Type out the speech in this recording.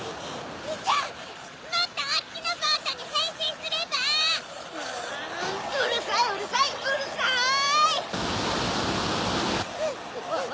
じゃあもっとおっきなボートにへんしんすれば⁉うるさいうるさいうるさい！